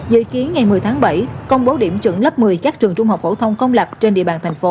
dự kiến ngày một mươi tháng bảy công bố điểm chuẩn lớp một mươi các trường trung học phổ thông công lập trên địa bàn thành phố